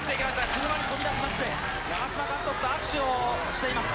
車に飛び出しまして、長嶋監督と握手をしています。